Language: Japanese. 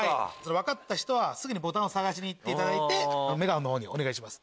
分かった人はすぐにボタンを探しに行っていただいてメガホンの方にお願いします。